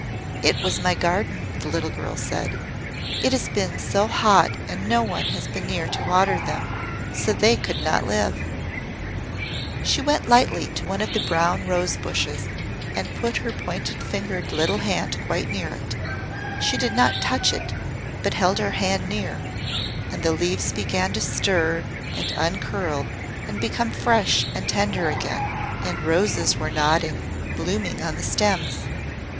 "It was my garden," the little girl said. "It has been so hot and no one has been near to water them, so they could not live." She went lightly to one of the brown rose bushes and put her pointed fingered little hand quite near it. She did not touch it, but held her hand near and the leaves began to stir and uncurl and become fresh and tender again, and roses were nodding, blooming on the stems.